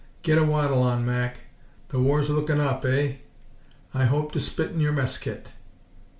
"Get a waddle on, Mac. The war's lookin' up, eh?" "I hope to spit in your mess kit."